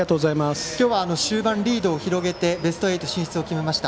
今日は終盤リードを広げてベスト８進出を決めました。